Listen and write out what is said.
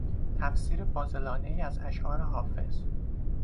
تفسیر فاضلانهای از اشعار حافظ